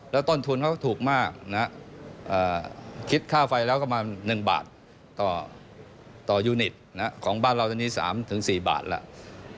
แล้วต้นทุนเขาก็ถูกมากนะคิดค่าไฟแล้วก็มา๑บาทต่อยูนิตของบ้านเราตอนนี้๓๔บาทแล้ว